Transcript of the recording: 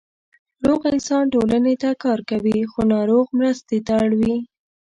روغ انسان ټولنې ته کار ورکوي، خو ناروغ مرستې ته اړ وي.